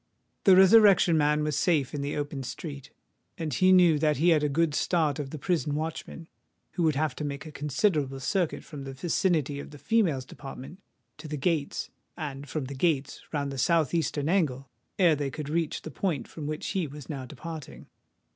The Resurrection Man was safe in the open street; and he knew that he had a good start of the prison watchmen, who would have to make a considerable circuit from the vicinity of the females' department to the gates, and from the gates round the south eastern angle, ere they could reach the point from which he was now departing.